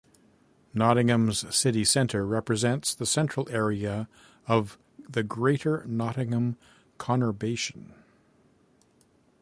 Nottingham's city centre represents the central area of the Greater Nottingham conurbation.